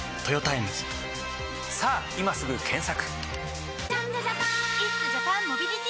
さぁ今すぐ検索！